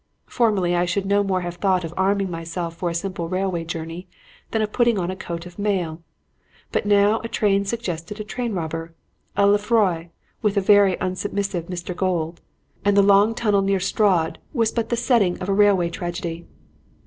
Formerly I should no more have thought of arming myself for a simple railway journey than of putting on a coat of mail; but now a train suggested a train robber a Lefroy, with a very unsubmissive Mr. Gold and the long tunnel near Strood was but the setting of a railway tragedy.